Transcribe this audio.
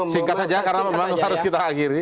singkat saja karena memang harus kita akhiri